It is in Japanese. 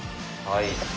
はい。